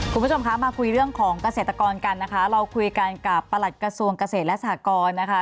คุณผู้ชมคะมาคุยเรื่องของเกษตรกรกันนะคะเราคุยกันกับประหลัดกระทรวงเกษตรและสหกรนะคะ